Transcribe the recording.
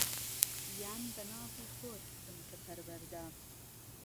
یان به نازی خۆت بمکه پهروهرده